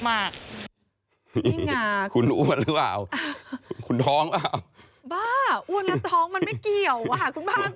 นี่ไงคุณอ้วนหรือเปล่าคุณท้องหรือเปล่าบ้าอ้วนแล้วท้องมันไม่เกี่ยวอะค่ะคุณภาค